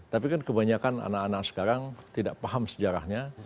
tapi kan kebanyakan anak anak sekarang tidak paham sejarahnya